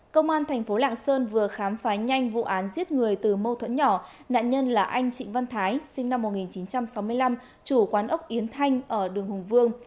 công an thành phố lạng sơn vừa khám phá nhanh vụ án giết người từ mâu thuẫn nhỏ nạn nhân là anh trịnh văn thái sinh năm một nghìn chín trăm sáu mươi năm chủ quán ốc yến thanh ở đường hùng vương